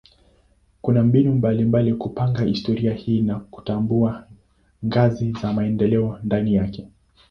Kuna mbinu mbalimbali kupanga historia hii na kutambua ngazi za maendeleo ndani yake.